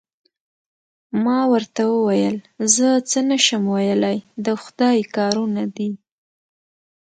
ما ورته وویل: زه څه نه شم ویلای، د خدای کارونه دي.